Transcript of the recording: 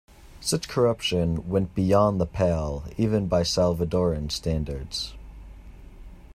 Such corruption "went beyond the pale" even by Salvadoran standards.